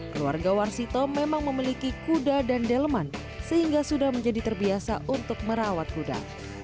keluarga warsito memang memiliki kuda dan delman sehingga sudah menjadi terbiasa untuk merawat kuda